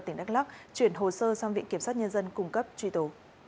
tỉnh đắk lắc chuyển hồ sơ sang viện kiểm sát nhân dân cung cấp truy tố